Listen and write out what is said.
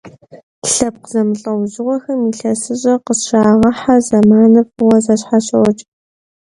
Лъэпкъ зэмылӀэужьыгъуэхэм ИлъэсыщӀэр къыщрагъэхьэ зэманыр фӀыуэ зэщхьэщокӀ.